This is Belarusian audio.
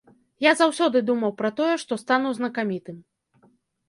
Я заўсёды думаў пра тое, што стану знакамітым.